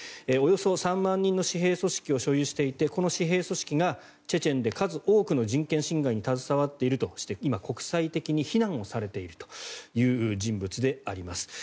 およそ３万人の私兵組織を所有していてこの私兵組織が、チェチェンで数多くの人権侵害に携わっているとして今、国際的に非難をされている人物であります。